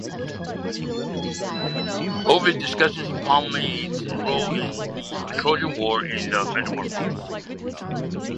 Ovid discusses Palamedes' role in the Trojan War in the "Metamorphoses".